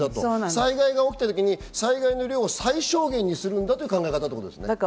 災害が起きた時、災害の量を最小限にするという考え方ですね。